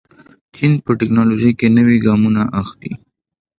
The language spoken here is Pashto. چین په تکنالوژۍ کې نوي ګامونه اخلي.